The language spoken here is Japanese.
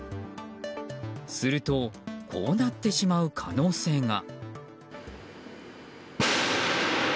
するとこうなってしまう可能性が。